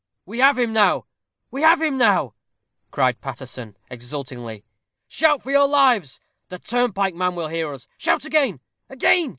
"We have him now we have him now!" cried Paterson, exultingly. "Shout for your lives. The turnpike man will hear us. Shout again again!